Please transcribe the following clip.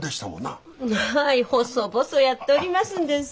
はい細々やっておりますんです。